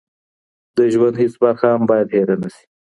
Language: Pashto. د ژوند هېڅ برخه هم بايد هېره نه سي.